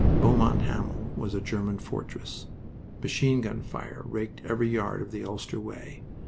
Beaumont Hamel was a German fortress. Machine gun fire raked every yard of the Ulster way.